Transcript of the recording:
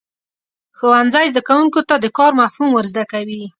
ښوونځی زده کوونکو ته د کار مفهوم ورزده کوي.